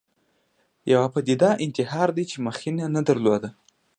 یوه پدیده انتحار دی چې مخینه نه درلوده